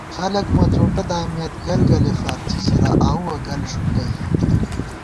خَلَک مڅوٹہ دامېت گلگَلےفار څِڅِرہ آؤوَہ گل ݭُکَئ